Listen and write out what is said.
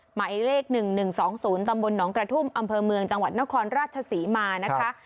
หมายเลข๑๑๒๐ตำบลหนองกระทุ่มอำเภอเมืองจังหวัดนครราชศรีมานะคะ